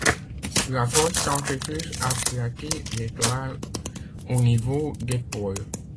La force centrifuge aplatit l’étoile au niveau des pôles.